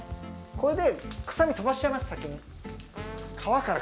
これで臭み飛ばしちゃいます先に。